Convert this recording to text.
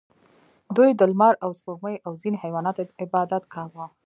دوی د لمر او سپوږمۍ او ځینو حیواناتو عبادت کاوه